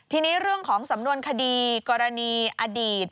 ทีนี้เรื่องของสำนวนคดีกรณีอดีต